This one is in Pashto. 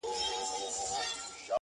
• راسره جانانه ؛